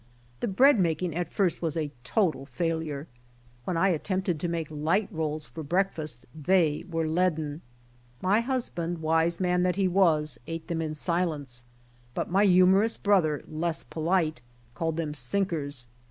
The bread making at first was a total failnre. When I attempted to make light rolls for breakfast they were leaden. My husband, wise man that he was, ate them in silence, but my humor ous brother, less polite, called them sinkers.